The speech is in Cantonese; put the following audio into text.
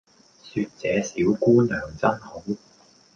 說這小姑娘真好